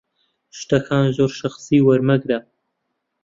شتەکان زۆر شەخسی وەرمەگرە.